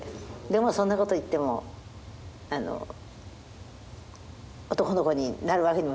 でもそんなこと言っても男の子になるわけにもいかないしね。